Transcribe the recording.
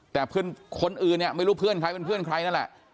แต่เพื่อนคนอื่นเนี่ยไม่รู้เพื่อนใครเป็นเพื่อนใครนั่นแหละ